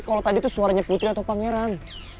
kalau tadi tuh suaranya putri atau pangeran